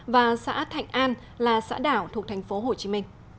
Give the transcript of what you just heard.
và xã thạnh an là xã đảo thuộc tp hcm